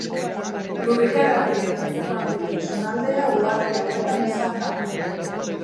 Lurrikara gehien antzeman duten zonaldea uharte hauetan izan da.